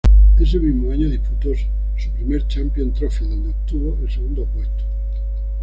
Ese mismo año disputó su primer Champions Trophy donde obtuvo el segundo puesto.